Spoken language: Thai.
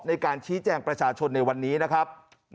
ในการชี้แจงประชาชนในวันนี้นะครับ